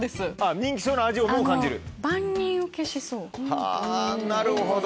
人気そうな味をもう感じる？